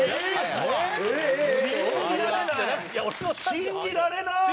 信じられなーい！